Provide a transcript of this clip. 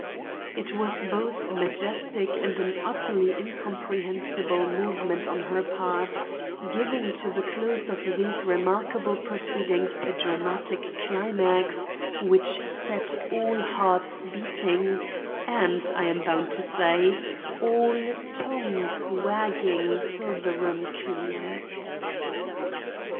It was both a majestic and an utterly incomprehensible movement on her part, giving to the close of these remarkable proceedings a dramatic climax which set all hearts beating and, I am bound to say, all tongues wagging till the room cleared.